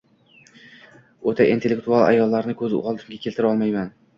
o‘ta intellektual ayollarni ko‘z oldimga keltira olmayman?